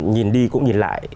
nhìn đi cũng nhìn lại